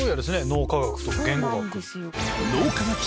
脳科学と言語学。